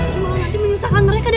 jangan nanti menyusahkan mereka